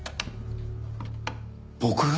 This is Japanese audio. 僕が？